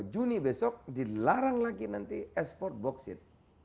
dua juni besok dilarang lagi nanti ekspor boksit